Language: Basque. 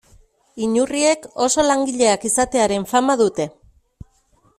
Inurriek oso langileak izatearen fama dute.